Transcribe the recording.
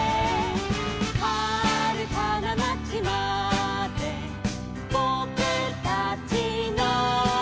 「はるかな町までぼくたちの」